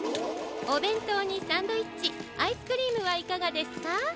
おべんとうにサンドイッチアイスクリームはいかがですか？